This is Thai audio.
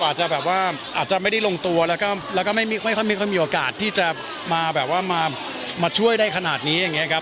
อาจจะแบบว่าอาจจะไม่ได้ลงตัวแล้วก็ไม่ค่อยมีโอกาสที่จะมาแบบว่ามาช่วยได้ขนาดนี้อย่างนี้ครับ